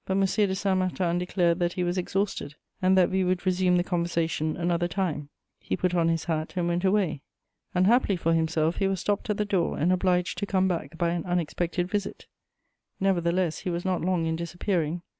de Saint Martin declared that he was exhausted, and that we would resume the conversation another time: he put on his hat and went away. Unhappily for himself, he was stopped at the door and obliged to come back by an unexpected visit: nevertheless he was not long in disappearing.